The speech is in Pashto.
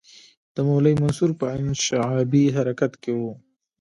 د مولوي منصور په انشعابي حرکت کې وو.